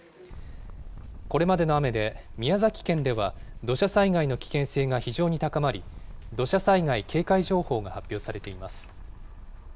これまでの雨で宮崎県では土砂災害の危険性が非常に高まり、土砂災害警戒情報が発表されています。